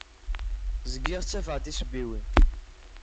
Zgiɣ ttafeɣ-d tisebbiwin.